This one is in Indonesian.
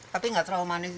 tapi nggak terlalu manis